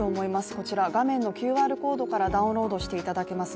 こちら画面のＱＲコードからダウンロードしていただけます